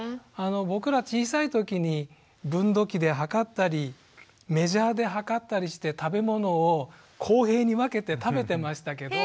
僕ら小さいときに分度器で測ったりメジャーで測ったりして食べ物を公平に分けて食べてましたけど。